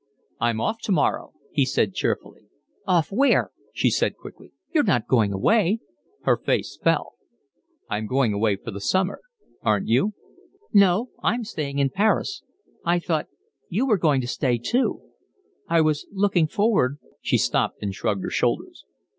"I'm off tomorrow," he said cheerfully. "Off where?" she said quickly. "You're not going away?" Her face fell. "I'm going away for the summer. Aren't you?" "No, I'm staying in Paris. I thought you were going to stay too. I was looking forward…." She stopped and shrugged her shoulders.